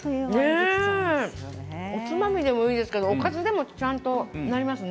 おつまみでもいいですけどおかずでもちゃんとなりますね